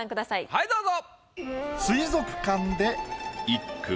はいどうぞ。